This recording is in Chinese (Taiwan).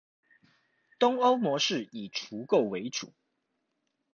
東歐模式以除垢為主